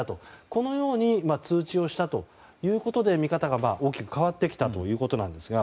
このように通知したということで見方が大きく変わってきたということなんですが。